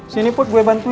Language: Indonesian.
sini put gue bantu